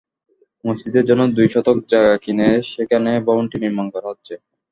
মসজিদের জন্য দুই শতক জায়গা কিনে সেখানে ভবনটি নির্মাণ করা হচ্ছে।